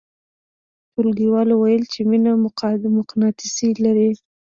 ټولګیوالو ویل چې مینه مقناطیس لري